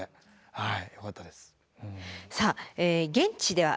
はい。